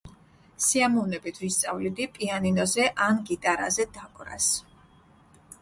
სიამოვნებით ვისწავლიდი პიანინოზე ან გიტარაზე დაკვრას.